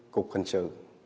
cục hình sự